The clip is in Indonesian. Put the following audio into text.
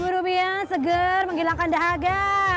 sepuluh rupiah seger menghilangkan dahaga